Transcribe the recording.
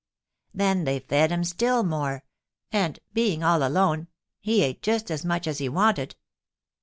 Then they fed him still more, and, being all alone, he ate just as much as he wanted.